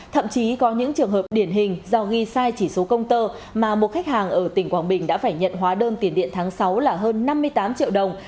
thậm chí có những trường hợp điển hình do ghi sai chỉ số công tơ mà một khách hàng ở tỉnh quảng bình đã phải nhận hóa đơn tiền điện tháng sáu là hơn năm mươi tám triệu đồng